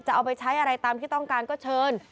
เอาไปใช้อะไรตามที่ต้องการก็เชิญ